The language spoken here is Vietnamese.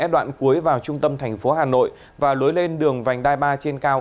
đoạn cuối vào trung tâm thành phố hà nội và lối lên đường vành đai ba trên cao